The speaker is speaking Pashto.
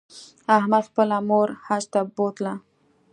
احمد خپله مور حج ته بوتله